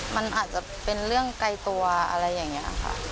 มันอาจจะเป็นเรื่องไกลตัวอะไรอย่างนี้ค่ะ